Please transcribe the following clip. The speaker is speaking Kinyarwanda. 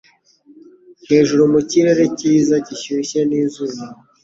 hejuru mu kirere cyiza gishyushye n'izuba